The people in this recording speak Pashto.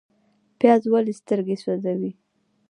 پیاز ولې سترګې سوځوي؟